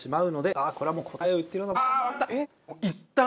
ああこれはもう答えを言ってるようなもん。